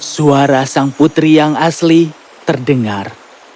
suara sang putri yang asli terdengar